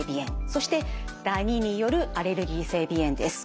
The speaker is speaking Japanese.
そしてダニによるアレルギー性鼻炎です。